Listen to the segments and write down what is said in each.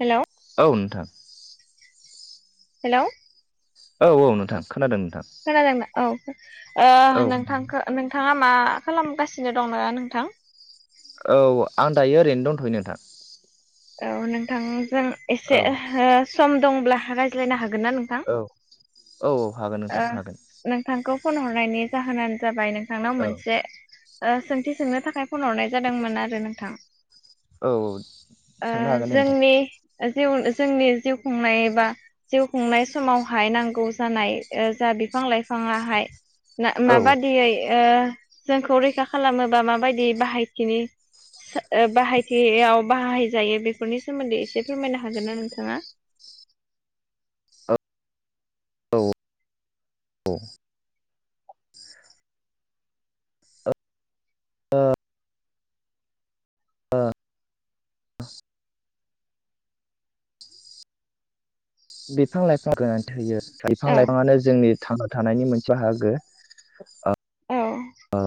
Hello. औ नोंथां hello. औ औ नोंथां खोनादों। नोंथां खोनादोंना औ ओ औ नोंथांखौ नोंथाङा मा खालामगासिनो दं ना नोंथां। औ आं दायो ओरैनो दंथ'यो नोंथां। औ नोंथांजों औ एसे सम दंब्ला रायज्लायनो हा औ औ औ हागोन नोंथां ओ हागोन नोंथांखौ फन हरनायनि जाहोनानो जाबाय नोंथांनाव औ मोनसे ओ सोंथि सोंनो थाखाय फन हरनाय जादोंमोन आरो नोंथां। औ ओ सोंनो हागोन दे नोंथां जोंनि जिउ जोंनि जिउ खुंनाय बा जिउ खुंनाय समावहाय नांगौ जानाय जा बिफां लाइफाङाहाय औ औ माबादियै जोंखौ रैखा खालामोबा माबायदि बाहायथिनि बाहायथियाव बाहायजायो बेफोरनि सोमोन्दै एसे फोरमायनो हागोन ना नोंथाङा? [inaudible] औ औ। ओ ओ बिफां लाइफां गोनांथि होयो बिफां औ लाइफाङानो जोंनि थां थानायनि मोनसे बाहागो ओ औ ओ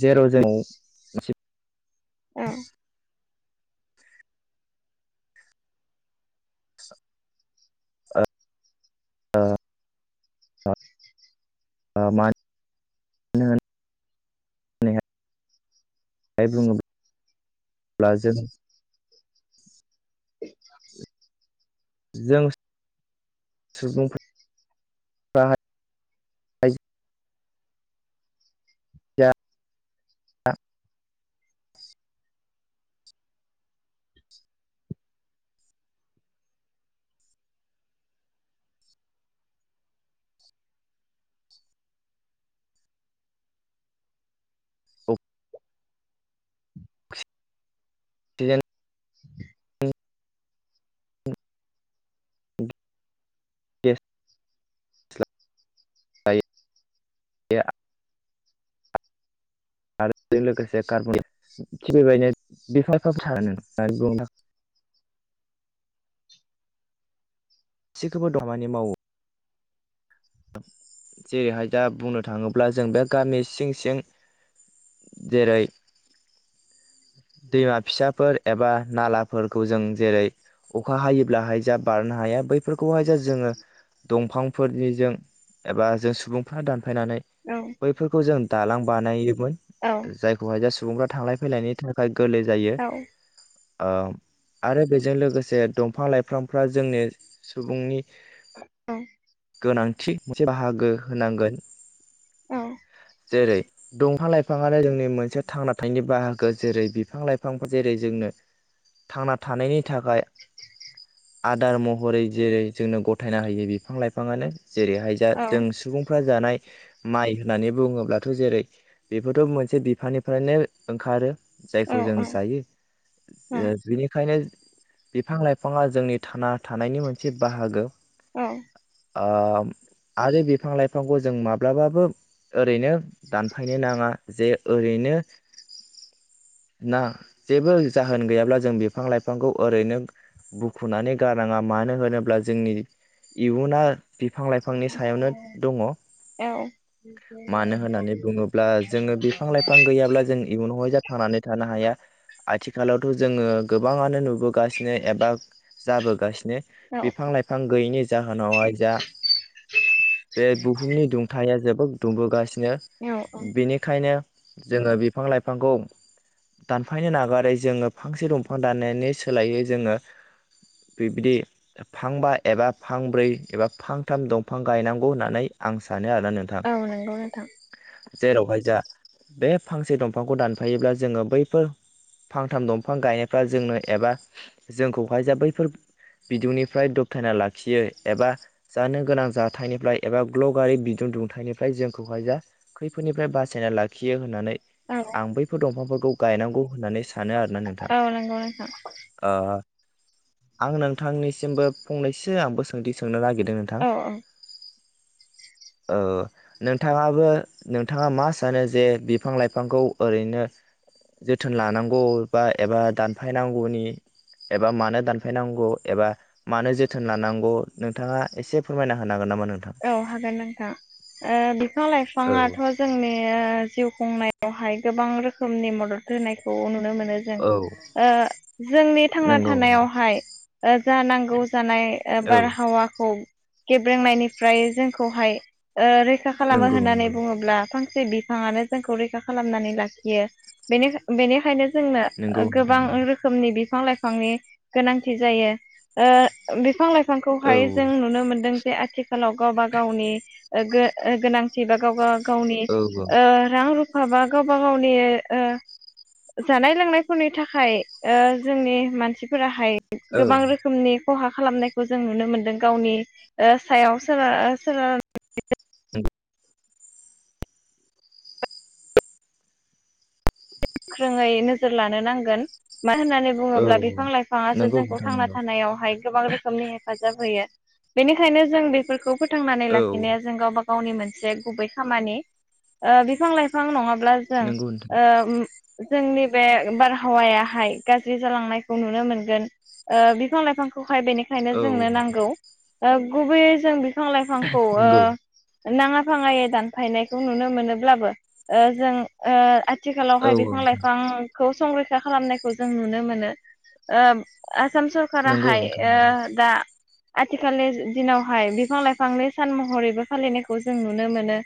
जेराव जोंनाव औ ओ मा नो होन नानै बुङोब्ला जों [inaudible] जों सुबुं [unintelligible] या अक्सिजेन [unintelligible] [inaudible] [inaudible] [inaudible] [inaudible] [inaudible] सिखोबो दमानि मावो जेहाय दा बुंनो थाङोब्ला जों दा गामि सिं सिं जेरै दैमा फिसाफोर एबा नालाफोरखौ जों जेरै अखा हायोब्लाहाय जा बारनो हाया बैफोरखौहाय जा जोङो दंफांफोरनिजों एबा जों सुबुंफा दान फायनानै औ बैफोरखौ जों दालां बानायोमोन औ जायखौहाय जास सुबुंफ्रा थांलाय फैलायनि थाखाय गोरलै जायो। औ आ आरो बेजों लोगोसे दंफां लाइफ्रामफ्रा जोंनि सुबुंनि [inaudible] गोनांथि मोनसे बाहागो होनांगोन औ। जेरै दंफां लाइफाङानो जोंनि मोनसे थांना थायनि बाहागो। जेरै बिफां लाइफांफोर जेरै जोंनो थांना थानायनि थाखाय आदार महरै जेरै जोंनो गथायना होयो बिफां लाइफाङानो। जेरैहाय जा औ जों सुबुंफ्रा जानाय माइ होननानै बुङोब्लाथ' जेरै बेफोरथ' मोनसे बिफानिफ्रायनो ओंखारो। औ जायखौ जों जायो औ ओ बिनिखायनो बिफां लाइफाङा जोंनि थाना थानायनि मोनसे बाहागो। आ आरो बिफां लाइफांखौ जों माब्लाबाबो ओरैनो दानफायनो नाङा। जे ओरैनो [unintelligible] ना जेबो जाहोन गैयाब्ला जों बिफां लाइफांखौ ओरैनो बुखुनानै गारनाङा मानो होनोब्ला जोंनि इयुना बिफां लाइफांनि सायावनो दङ। मानो होननानै बुङोब्ला जोङो बिफां लाइफां गैयाब्ला जों इयुनावहाय जाथ थांनानै थानो हाया आथिखालावथ' जोङो गोबाङानो नुबोगासिनो एबा जाबोगासिनो औ बिफां लाइफां गैयैनि जाउनावहाय जा बे बुहुमनि दुंथाया जोबोद दुंबोगास सिनो औ औ बिनिखायनो जोङो बिफां लाइफांखौ दानफायनो नागारै जोङो फांसे दंफां दाननायनि सोलायै जोङो बिबदि फांबा एबा फांब्रै एबा फांथाम दंफां गायनांगौ होननानै आं सा औ नोंगौ नोंथां। जेरावहाय जा बे फांसे दंफांखौ दानफायोब्ला जोङो बैफोर फांथाम दंफां गायाफ्रा जोंनो एबा जोंखौहाय जा बैफोर बिदुंनिफ्राय दबथायना लाखियो एबा जानो गोनां जाथायनिफ्राय एबा ग्लगारै बिदुं दुंथायनिफ्राय जोंखौहाय जा खैफोदनिफ्राय बासायना लाखियो होननानै औ आं बै फोर दंफांफोरखौ गायनांगौ होननानै सानो आरोना नोंथा औ नंगौ नोंथां आ आं नोंथांनिसिमबो फंनैसो आंबो सोंदि सोंनो नागिर दों नोंथां। औ [unintelligible] ओ नोंथाङाबो नोंथाङा मा सानो जे बिफां लाइफांखौ ओरैनो जोथोन लानांगौ बा एबा दानफायनांगौनि एबा मानो दानफायनांगौ एबा मानो जोथोन लानांगौ नोंथाङा एसे फोरमायना होना हागोन नामा नों औ हागोन नोंथा ओ बिफां औ लाइफाङाथ' जोंनि जिउ खुंनायावहाय गोबां रोखोमनि मदद होनायखौ नु नुनो मोन जों औ ओ जोंनि थांना नंगौ थानायावहाय जा नांगौ जानाय औ बारहावाखौ गेब्रेंनायनिफ्राय जोंखौहाय फैसा खालामो नंगौ होन्नानै नंगौ बुङोब्ला फां बिफाङानो जोंखौ रैखा खालामनानै लाखियो बेनिखायनो जोंनो नंगौ नोंथां गोबां औ रोखोमनि बिफां लाइफां बिफांनि गोनांथि जायो बिफां लाइफां औ बिफांखौहाय जों नुनो मोनदों जे आथिखाल आथि खाालाव गावबा गावनि गोनांथि बा गावबा गावनि औ औ रां रुफा माबा गावबा गावनि जानाय लोंनायफोरनि थाखाय जोंनि मानसिफोराहाय औ गोबां रोखोमनि खहा खालामनायखौ जों नुनो मोनदों गावनि सायाव सोन सोनार [unintelligible] गोख्रोङै नोजोर लानो नांगोन मानो होननानै बुङोब्ला बिफां औ लाइफाङासो नंगौ जोंखौ नोंथां थांना नंगौ थानायावहाय गोबां रोखोमनि हेफाजाब होयो बेनिखायनो जों बेफोरखौ फोथांनानै औ लाखिनाया जों गावबााव गावनि मोनसे गुबै खामानि बिफां लाइफां नङाब्ला जों नंगौ नोंथां जोंनि बे बारहावायाहाय गाज्रि जालांनायखौ नुनो मोनगोन बिफां लाइफांखौ ओमफाय बेनिखायनो औ जोंनो नांगौ गुबैयै जों बिफां लाइफांखौ नंगौ नाङा फाङायै दानफायनायखौ नुनो मोनोब्लाबो जों औ आथिखालावहाय औ बिफां लाइफांखौ संरैखा खालामनायखौ जों नुनो मोनो आसाम नंगौ सरकाराहाय नोंथां नंगौ दा आथिखालनि दिनावहाय बिफां लाइफांनि सान महरैबो फालिनायखौ जों नुनो मोनो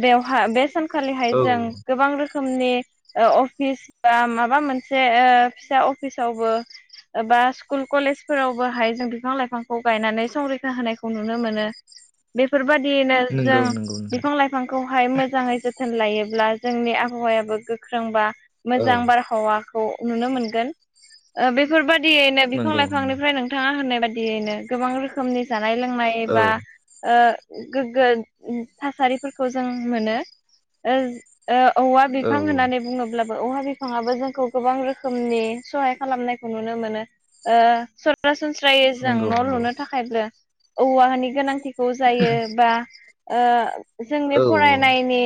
बेवहााय बे सानखालिहाय औ जों गोबां रोखोमनि अफिस बा माबा मोनसे फिसा अफिसावबो बा स्कुल कलेजफोरावबोहाय जों बिफां लाइफांखौ गायनानै संरैखा होनायखौ नुनो मोनो बेफोरबादि जों नंगौ नंगौ नोंथां बिफां लाइफांखौहाय मोजाङै जोथोन लायोब्ला जोंनि आबहावायाबो गोगो गोख्रोंबा औ मोजां बारहावाखौ नुनो मोनगोन बेफोरबायदि बायदियैनो बिफां नंगौ नंगौ लाइफांनिफ्राय नोंथाङा होनाय बायदियैनो गोबां रोखोमनि जानाय जानाय लोंनाय औ बा गोग्गो थासारिफोरखौ जों मोनो औवा औ बिफां औ होनानै अब्लाबो औवा बिफाङआ जोंखौ गोबां रोखोमनि सहाय खालामनायखौ नुनो मोनो सरासनस्रा जायो जों नंगौ न' नंगौ लुनो थाखायबो औवानि गोनांथिखौ जायो बा जोंनि औ औ फरायनायनि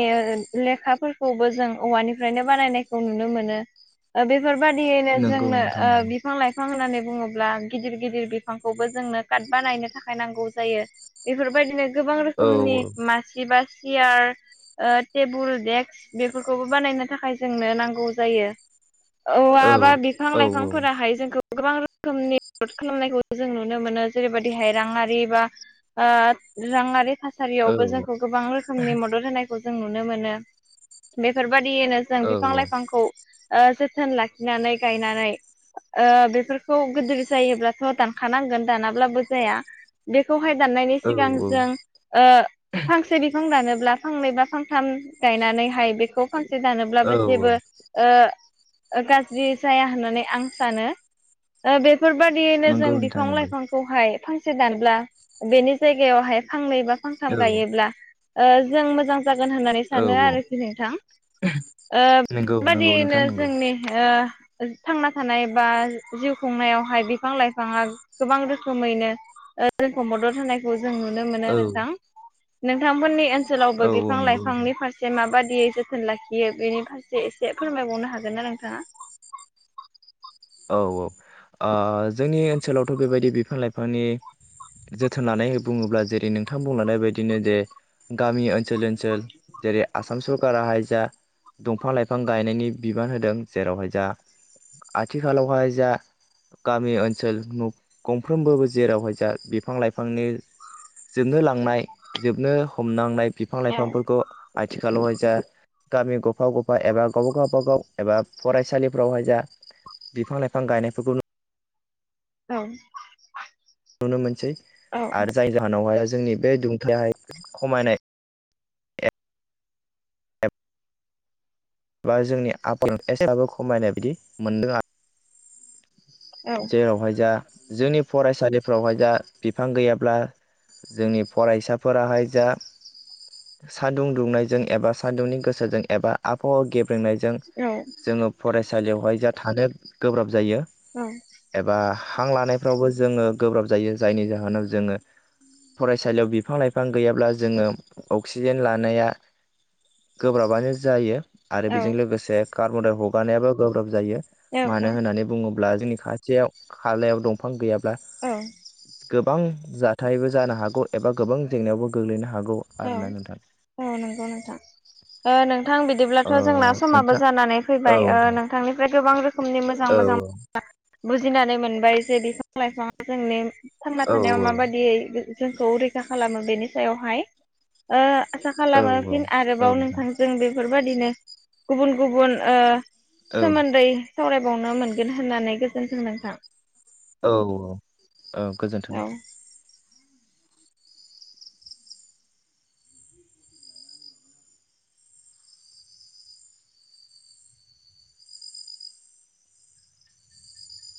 लेखाफोरखौबो जों औवानि नो बानायनायखौ नुनो मोनो बेफोरबायादियैनो नंगौ जोंनो नोंथां नंगौ बिफां लाइफां होननानै बुङोब्ला गिदिर गिदिर बिफांखौबो जोंनो कार्ट बानायनो थाखाय नांगौ जायो बेफोरबायदिनो गोबां औ रोखोमनि मासे बा सियार टेबोल देक्स बेफोरखौबो बानायनो थाखाय जोंनो नांगौ जायो औवा औ बा बिफां औ लाइफांफोराहाय जोंखौ गोबां रोखोमनि मदद खालामनायखौ जों नुनो मोनो जेरैबायदिहाय राङारि बा ओ राङारि औ बेयावबो जोंखौ गोबां रोखोमनि मदद होनायखौ जों नुनो मोनो बेफोरबायदि जों बिफां लाइफांखौ जोथोन लाखिनानै गायनानै बेफोरखौ गिदिर जायोब्लाथ' दानखानांगोन दानाब्लाबो जाया बेखौ हाय दाननायनि औ सिगां जों फांसे बिफां दानोब्ला फांनै बा फांथाम गायनानैहाय बेखौ फांसे दानोब्लाबो औ जेबो औ ओ गाज्रि जाया होननानै आं सानो ओ बे बेफोरबायाददियैनो जों नंगौ नोंथां बिफां नंगौ लाइफांखौहाय फांसे दानब्ला बेनि जायगायावहाय फांनै बा फांथाम औ गायोब्ला ओ जों मोजां जागोन होननानै औ सानो आरोखि नोंथां। ओ नंगौ नंगौ बेबादियैनो नोंथां नंगौ जोंनि ओ ओ थांना थानाय बा जिउ खुंनायावहाय बिफां लाइफाङा गोबां रोखोमैनो ओ जोंखौ मदद होनायखौ जों नुनो मोनो औ नोंथां नोंथांमोननि औ ओनसोलावबो औ बिफां नंगौ नोंथां लाइफांनि फारसे माबा दियै जोथोन लाखियो बेनि फारसे एसे फोरमायबावनो हागोन न नोंथाङा? औ औ ओ जोंनि ओनसोलावथ' बेबायदि बिफां लाइफांनि जोथोन लानाय बुङोब्ला जेरै नोंथां बुंलनायबायायदिनो जे गामि ओनसोल ओनसोल जेरै आसाम सरकाराहाय जा दंफां लाइफां गायनायनि बिबान होदों जेरावहाय जा आथिखालावहाय जा गामि ओनसोल गंफ्रोमबोबो जेरावहाय जा बिफां लाइफांनि जोबनो लांनाय जोबनो हमनांनाय बिफां औ लाइफांफोरखौ आथिखालावहाय जा गामि गफा गफा एबा गावब गावबागाव एबा फरायसालिफ्रावहाय जा बिफां लाइफां गायनायफोरखौ नु औ। नुनो मोनसै औ आरो जायनि जाहोनावहाय जोंनि बे दुंथायाहाय खमायनाय बा जोंनि आकला एसेबाबो खमायनाय बिदि मोनदों आरो औ जेरावहाय जा जोंनि फरायसालिफ्रावहाय जा बिफां गैयाब्ला जोंनि फरायसाफोराहाय जा सान्दुं दुंनायजों एबा सान्दुंनि गोसोजों एबा आबहावा गेब फोरोंनायजों जोङो फरायसालियावहाय जा थानो गोब्राब जायो औ एबा हां लानायफ्रावबो जोङो गोब्राब जायो जायनि जाहोनाव जोङो फरायसालियाव बिफां लाइफां गैयाब्ला जोङो अक्सिजेन लानाया गोब्राबानो जायो आरो औ बेजों लोगोसे कार्बनदाय हगारनायाबो गोब्राब जायो औ मानो होननानै बुङोब्ला अब्ला जोंनि खाथियाव खालायाव दंफां गैयाब औ। गोबां जाथायबो जानो हागौ एबा गोबां जेंनायावबो गोग्लैनो हागौ। औ आरोना नोंथां औ नंगौ नोंथां ओ नोंथ नोंथां बिदिब्लाथ' ओ जोंना समाबो नोंथां जानानै औ फैबाय नोंथां नोंथांनिफ्राय गोबां रोखोमनि मोजां औ मोजां मोजां बुजिनानै मोनबाय जे बिफां लाइफाङा जोंनि थांना औ थानायाव माबादियै जोंखौ रैखा खालामो बेनि सायावहाय ओ आसा खालामो औ औ फिन आरोबाव नोंथांजों बेफोरबादिनो गुबुन गुबुन ओ औ सोमोन्दै सावरायबावनो मोनगोन होननानै गोजोनथों नोंथां। औ औ औ गोजोन्थों। औ।